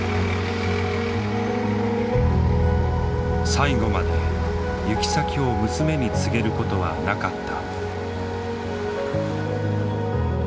最後まで行き先を娘に告げることはなかった。